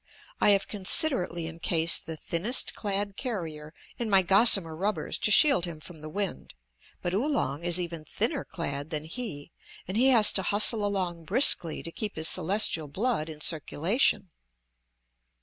I have considerately encased the thinnest clad carrier in my gossamer rubbers to shield him from the wind, but Oolong is even thinner clad than he, and he has to hustle along briskly to keep his Celestial blood in circulation.